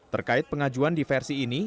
terkait pengajuan di versi ini